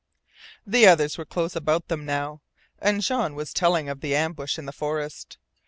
The others were close about them now, and Jean was telling of the ambush in the forest.